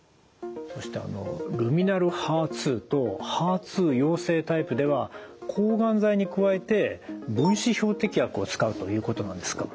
そしてあのルミナルＨＥＲ２とＨＥＲ２陽性タイプでは抗がん剤に加えて分子標的薬を使うということなんですか。